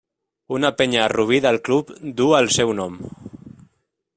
Una penya a Rubí del club duu el seu nom.